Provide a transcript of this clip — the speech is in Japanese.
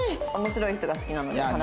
「面白い人が好きなので」。